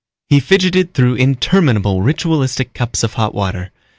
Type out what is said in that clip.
He fidgeted through interminable ritualistic cups of hot water.